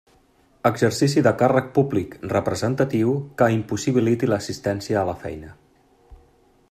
Exercici de càrrec públic representatiu que impossibiliti l'assistència a la feina.